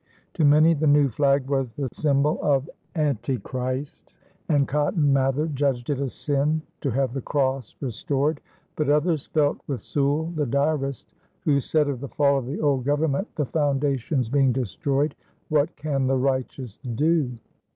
To many the new flag was the symbol of anti Christ, and Cotton Mather judged it a sin to have the cross restored; but others felt with Sewall, the diarist, who said of the fall of the old government: "The foundations being destroyed, what can the righteous do?"